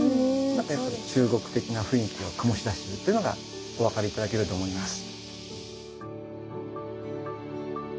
何かやっぱり中国的な雰囲気を醸し出してるっていうのがお分かり頂けると思います。